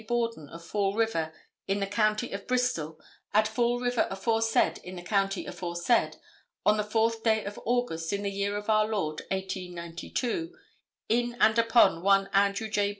Borden of Fall River, in the county of Bristol, at Fall River, aforesaid, in the county aforesaid, on the fourth day of August, in the year of our Lord 1892, in and upon one Andrew J.